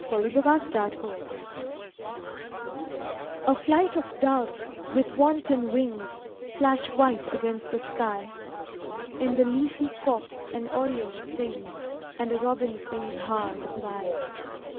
To Melvin Gardner: Suicide A flight of doves, with wanton wings, Flash white against the sky. In the leafy copse an oriole sings, And a robin sings hard by.